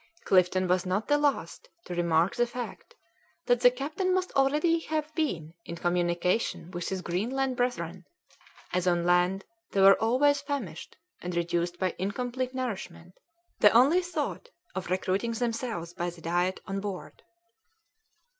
Clifton was not the last to remark the fact that the captain must already have been in communication with his Greenland brethren, as on land they were always famished and reduced by incomplete nourishment; they only thought of recruiting themselves by the diet on board.